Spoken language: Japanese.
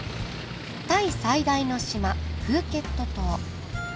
タイ最大の島プーケット島。